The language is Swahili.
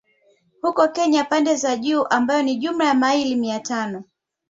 Huko Kenya pande za juu ambayo ni jumla ya maili mia tano